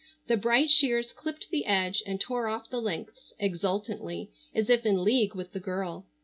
The bright shears clipped the edge and tore off the lengths exultantly as if in league with the girl.